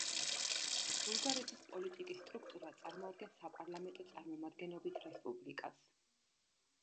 ბულგარეთის პოლიტიკის სტრუქტურა წარმოადგენს საპარლამენტო წარმომადგენლობით რესპუბლიკას.